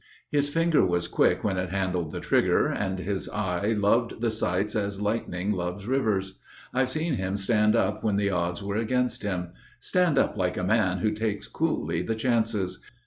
His finger was quick when it handled the trigger, And his eye loved the sights as lightning loves rivers. I've seen him stand up when the odds were against him. Stand up like a man who takes coolly the chances.